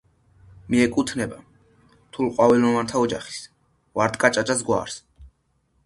მიეკუთვნება რთულყვავილოვანთა ოჯახის ვარდკაჭაჭას გვარს.